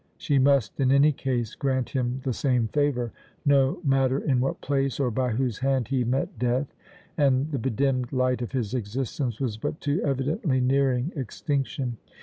She must in any case grant him the same favour, no matter in what place or by whose hand he met death, and the bedimmed light of his existence was but too evidently nearing extinction.